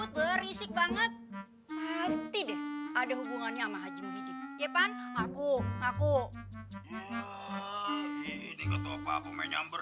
berisik banget pasti deh ada hubungannya sama haji muhyiddin ya kan aku aku ini ketopapu menyambar